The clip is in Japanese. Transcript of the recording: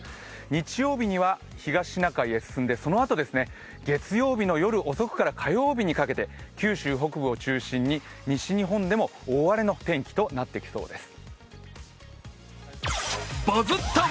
日曜日には東シナ海へ進んで、そのあと月曜日の夜遅くから火曜日にかけて九州北部を中心に西日本でも大荒れの天気となってきそうです。